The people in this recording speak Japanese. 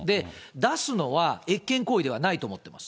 出すのは越権行為ではないと思ってます。